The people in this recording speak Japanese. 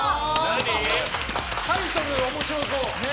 タイトル面白そう。